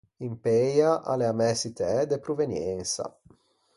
Impëia a l’é a mæ çittæ de proveniensa.